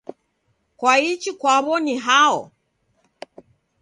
Kwaichi kwao ni hao?